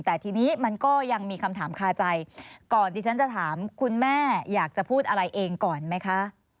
แต่ทีนี้มันก็ยังมีคำถามคาใจก่อนดิฉันจะถามคุณแม่อยากจะพูดอะไรเองก่อนไหมคะ